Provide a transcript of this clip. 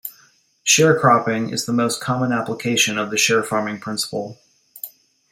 Sharecropping is the most common application of the sharefarming principle.